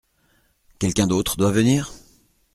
Quelqu’un d’autre doit venir ?